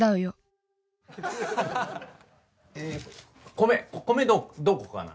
米米どこかな？